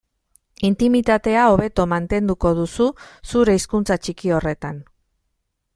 Intimitatea hobeto mantenduko duzu zure hizkuntza txiki horretan.